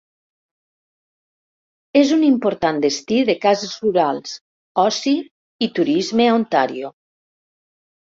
És un important destí de cases rurals, oci i turisme a Ontàrio.